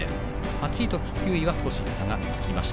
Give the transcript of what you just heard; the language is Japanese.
８位と９位は少し差がつきました。